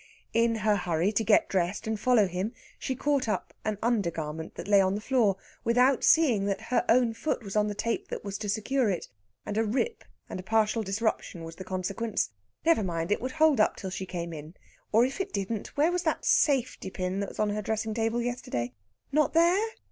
In her hurry to get dressed and follow him, she caught up an undergarment that lay on the floor, without seeing that her own foot was on the tape that was to secure it, and a rip and partial disruption was the consequence. Never mind, it would hold up till she came in. Or, if it didn't, where was that safety pin that was on her dressing table yesterday? Not there?